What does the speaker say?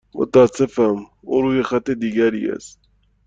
متاسفم، او روی خط دیگری است.